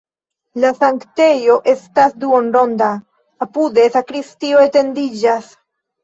La sanktejo estas duonronda, apude sakristio etendiĝas.